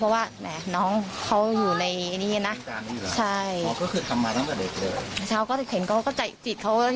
เพื่อนของไอซ์นะครับทำงานกู้ไพรเหมือนกันบอกกับประโยชน์ที่เกี่ยวด้วย